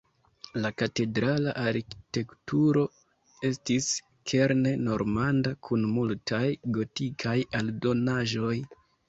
La katedrala arkitekturo estis kerne normanda kun multaj gotikaj aldonaĵoj.